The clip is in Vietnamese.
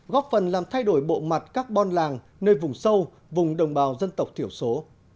góp phần làm thay đổi bộ mặt các bon làng nơi vùng sâu vùng đồng bào dân tộc thiểu số